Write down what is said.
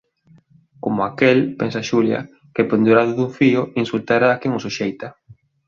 "Como aquel", pensa Xulia, "que, pendurando dun fío, insultara a quen o suxeita."